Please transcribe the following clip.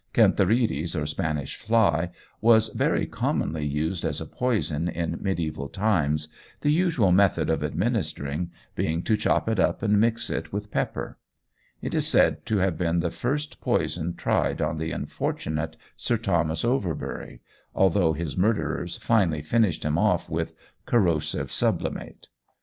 Cantharides, or Spanish fly, was very commonly used as a poison in mediæval times, the usual method of administering being to chop it up and mix it with pepper. It is said to have been the first poison tried on the unfortunate Sir Thomas Overbury, although his murderers finally finished him off with corrosive sublimate.